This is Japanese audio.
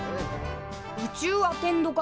宇宙アテンド科。